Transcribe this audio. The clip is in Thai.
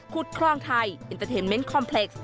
ครองไทยอินเตอร์เทนเมนต์คอมเพล็กซ์